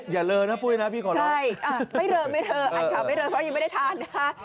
อย่าลืมนะปุ้ยนะพี่ขอไม่เลอไม่เลออ่านข่าวไม่เลอเพราะยังไม่ได้ทานนะคะ